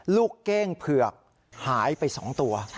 เก้งเผือกหายไป๒ตัว